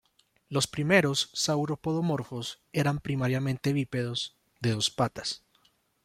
Los primeros sauropodomorfos eran primariamente bípedos, de dos patas.